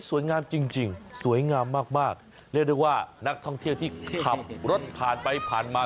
งามจริงจริงสวยงามมากมากเรียกได้ว่านักท่องเที่ยวที่ขับรถผ่านไปผ่านมา